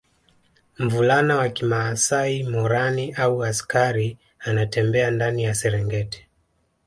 Mvulana wa kimaasai Morani au askari anatembea ndani ya Serengeti